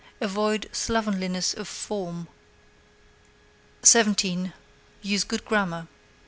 Avoid slovenliness of form. 17. Use good grammar.